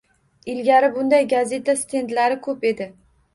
Ilgari bunday gazeta stendlari ko'p edi.